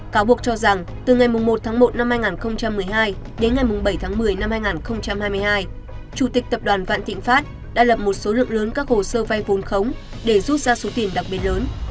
cáo buộc cho rằng từ ngày một một hai nghìn một mươi hai đến ngày bảy một mươi hai nghìn hai mươi hai chủ tịch tập đoàn vạn tịnh pháp đã lập một số lượng lớn các hồ sơ vai vốn khống để rút ra số tiền đặc biệt lớn